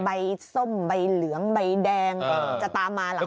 ใบส้มใบเหลืองใบแดงจะตามมาหลังนี้